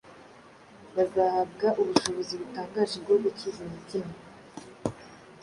bazahabwa ubushobozi butangaje bwo gukiza imitima,